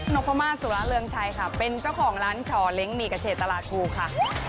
โนโพมาสุรเรืองชัยค่ะเป็นเจ้าของร้านชอเล้งมีกระเศษตลาดปลูค่ะ